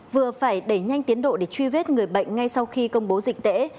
vừa phải đẩy nhanh tiến độ để truy vết người bệnh ngay sau khi công bố dịch tễ